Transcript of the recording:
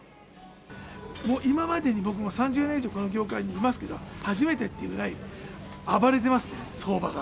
今までに、僕も３０年以上、この業界にいますけど、初めてっていうぐらい、暴れてますね、相場が。